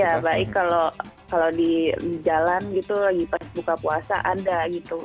ya baik kalau di jalan gitu lagi pas buka puasa ada gitu